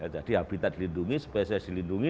jadi habitat dilindungi spesies dilindungi